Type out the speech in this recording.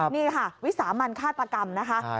นี่ค่ะวิสามันฆาตกรรมนะคะ